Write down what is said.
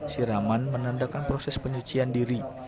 siraman menandakan proses penyucian diri